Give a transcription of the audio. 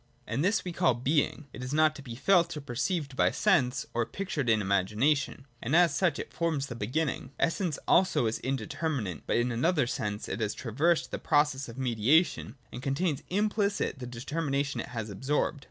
And this we call Being. It is not to be felt, or perceived by sense, or pictured in imagination : it is only and merely thought, and as such it forms the beginning. Essence also is indeterminate, but in another sense : it has traversed the process of mediation and contains implicit the determination it has absorbed.